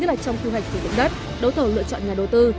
như trong khu hành sử dụng đất đối thầu lựa chọn nhà đầu tư